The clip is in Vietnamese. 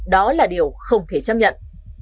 đó là điều không thể chấp nhận